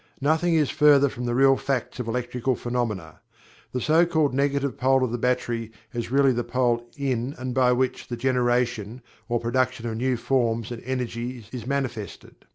Nothing is further from the real facts of electrical phenomenon. The so called Negative pole of the battery is really the pole in and by which the generation or production of new forms and energies is manifested.